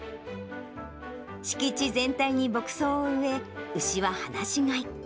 敷地全体に牧草を植え、牛は放し飼い。